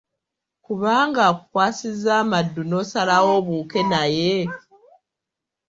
Kubanga akukwasizza amaddu n’osalawo obuuke naye.